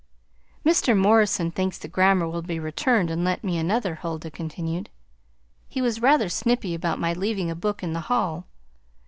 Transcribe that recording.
"Mr. Morrison thinks the grammar will be returned, and lent me another," Huldah continued. "He was rather snippy about my leaving a book in the hall.